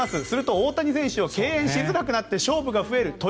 すると大谷選手を敬遠しづらくなって勝負が増える。